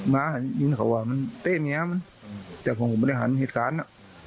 มายืนเขาว่ามันเต้เมียมันแต่ผมก็ไม่ได้หันเหตุการณ์อ่ะ